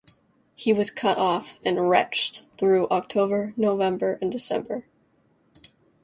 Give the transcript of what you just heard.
He was cut off and wretched through October, November and December.